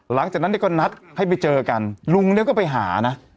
หลังจากนั้นเนี่ยก็นัดให้ไปเจอกันลุงเนี่ยก็ไปหานะ